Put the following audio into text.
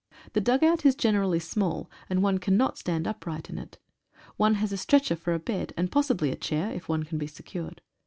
The dugout is generally small, and one cannot stand upright in it. One has a stretcher for a bed, and possibly a chair, if one can be secured.